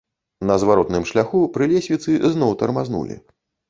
На зваротным шляху пры лесвіцы зноў тармазнулі.